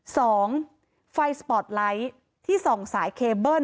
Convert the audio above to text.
สองไฟสปอร์ตไลท์ที่ส่องสายเคเบิ้ล